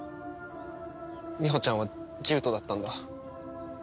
みほちゃんは獣人だったんだ。